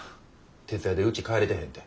徹夜でうち帰れてへんて。